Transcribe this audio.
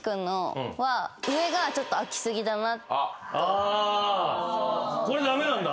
あこれ駄目なんだ。